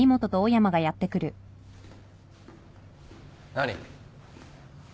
何？